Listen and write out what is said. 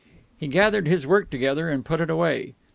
He gathered his work together and put it away.